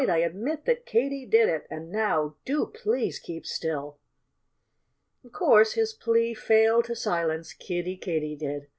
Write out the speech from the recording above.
I admit that Katy did it. And now do please keep still!" Of course, his plea failed to silence Kiddie Katydid.